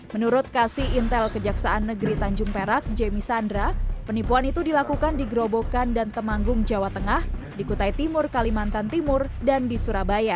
menurut kasih intel kejaksaan negeri tanjung perak jemmy sandra penipuan itu dilakukan di gerobokan dan temanggung jawa tengah di kutai timur kalimantan timur dan di surabaya